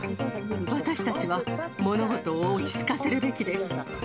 私たちは物事を落ち着かせるべきです。